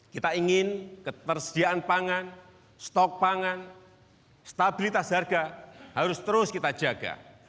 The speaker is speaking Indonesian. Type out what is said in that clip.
kita ingin ketersediaan pangan stok pangan stabilitas harga harus terus kita jaga